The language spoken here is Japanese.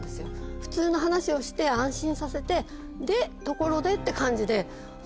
普通の話をして安心させて「でところで？」って感じで。